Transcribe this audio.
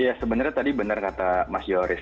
ya sebenarnya tadi benar kata mas yoris